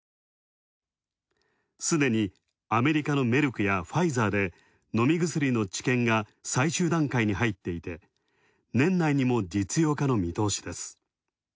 すでにアメリカのメルクやファイザーで飲み薬の治験が最終段階に入っていて、年内にも実用化の見通しです。